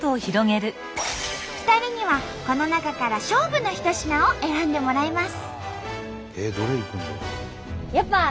２人にはこの中から勝負の一品を選んでもらいます！